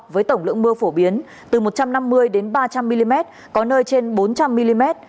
với tổng lượng mưa phổ biến từ một trăm năm mươi đến ba trăm linh mm có nơi trên bốn trăm linh mm